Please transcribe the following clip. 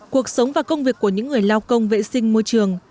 cuộc sống và công việc của những người lao công vệ sinh môi trường